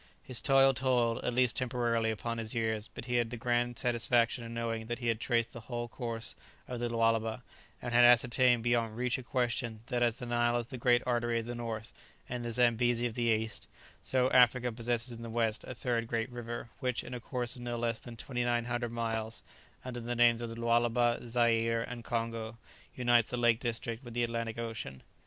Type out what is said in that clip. His toil told, at least temporarily, upon his years, but he had the grand satisfaction of knowing that he had traced the whole course of the Lualaba, and had ascertained, beyond reach of question, that as the Nile is the great artery of the north, and the Zambesi of the east, so Africa possesses in the west a third great river, which in a course of no less than 2900 miles, under the names of the Lualaba, Zaire, and Congo, unites the lake district with the Atlantic Ocean.